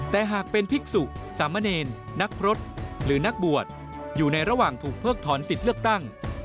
แต่หากเป็นภิกษุสามเณรนักพฤษหรือนักบวชอยู่ในระหว่างถูกเพิกถอนสิทธิ์เลือกตั้ง